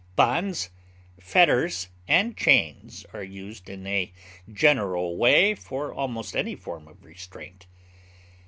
Bonds, fetters, and chains are used in a general way for almost any form of restraint.